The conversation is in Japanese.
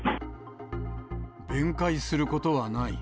弁解することはない。